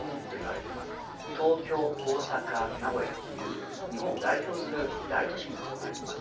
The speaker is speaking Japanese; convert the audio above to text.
東京大阪名古屋という日本を代表する大都市も含まれてます。